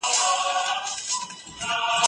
شاګرد په خپله څېړنه کي له عصري وسایلو ګټه واخیسته.